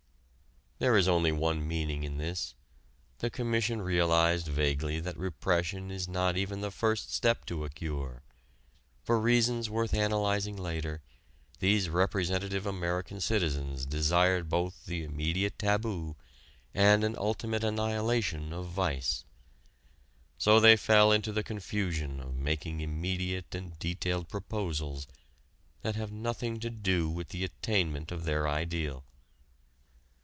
There is only one meaning in this: the Commission realized vaguely that repression is not even the first step to a cure. For reasons worth analyzing later, these representative American citizens desired both the immediate taboo and an ultimate annihilation of vice. So they fell into the confusion of making immediate and detailed proposals that have nothing to do with the attainment of their ideal.